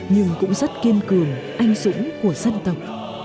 nhưng cũng rất kiên cường anh dũng của dân tộc